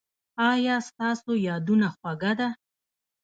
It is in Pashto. ایا ستاسو یادونه خوږه ده؟